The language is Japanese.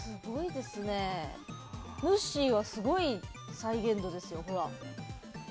ぬっしーは、すごい再現度ですよ。